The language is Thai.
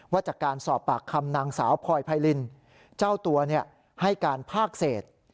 ว่าจากการสอบปากคำนางสาวพลอยไพรินเจ้าตัวให้การภาคเศษ